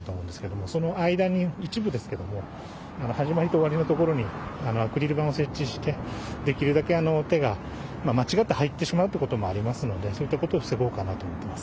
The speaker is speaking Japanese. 座席とレーンが流れていると思うんですけれども、その間に、一部ですけれども、始まりと終わりの所にアクリル板を設置して、できるだけ手が、間違って入ってしまうってこともありますので、そういったことを防ごうかなと思ってます。